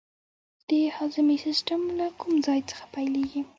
د هاضمې سیستم له کوم ځای څخه پیلیږي